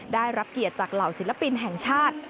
ได้รับเกียรติจากเหล่าศิลปินแห่งชาติ